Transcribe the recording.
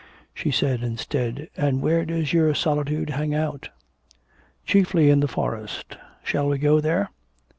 She said instead, 'and where does your solitude hang out?' 'Chiefly in the forest. Shall we go there?'